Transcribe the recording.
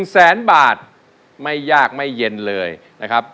แสนบาทไม่ยากไม่เย็นเลยนะครับ